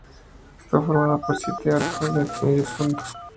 Está formada por siete arcos de medio punto.